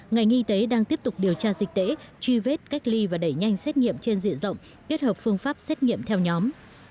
ngành y tế đang tiếp tục điều tra dịch tễ truy vết cách ly và đẩy nhanh xét nghiệm trên diện rộng kết hợp phương pháp xét nghiệm theo nhóm